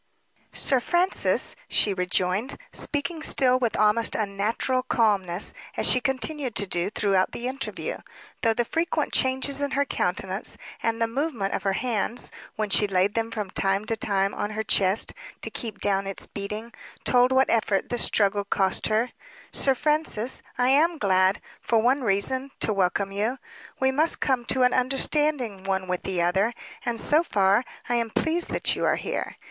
"Sir Francis," she rejoined, speaking still with almost unnatural calmness, as she continued to do throughout the interview though the frequent changes in her countenance, and the movement of her hands, when she laid them from time to time on her chest to keep down its beating, told what effort the struggle cost her "Sir Francis, I am glad, for one reason, to welcome you; we must come to an understanding one with the other; and, so far, I am pleased that you are here.